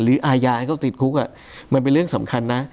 อาญาให้เขาติดคุกมันเป็นเรื่องสำคัญนะ